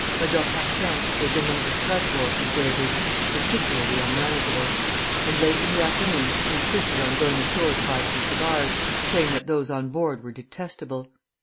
Major Parquin, who had been one of the Strasburg conspirators, was particularly unmanageable; and late in the afternoon he insisted on going ashore to buy some cigars, saying that those on board were detestable.